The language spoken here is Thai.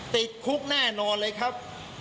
ติดคุกแน่นอนเลยครับ